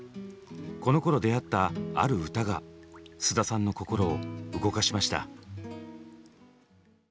このころ出会ったある歌が菅田さんの心を動かしました。